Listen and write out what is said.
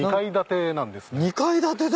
２階建てだ。